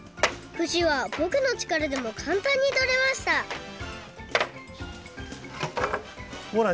ふしはぼくのちからでもかんたんにとれましたほら